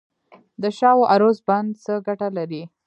د شاه و عروس بند څه ګټه لري؟